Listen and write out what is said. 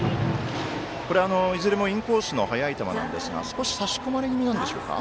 いずれもインコースの速い球なんですが少し、差し込まれ気味なんでしょうか。